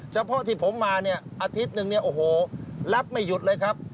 เฉพาะที่ผมมาเนี่ยอาทิตย์หนึ่งเนี่ยโอ้โหรับไม่หยุดเลยครับ